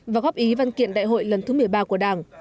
và góp ý văn kiện đại hội lần thứ một mươi ba của đảng